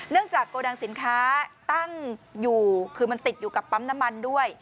จากโกดังสินค้าตั้งอยู่คือมันติดอยู่กับปั๊มน้ำมันด้วย